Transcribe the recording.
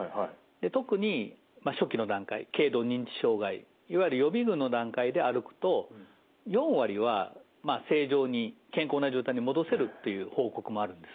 特に初期の段階軽度認知障害いわゆる予備群の段階で歩くと４割は正常に健康な状態に戻せるという報告もあるんです。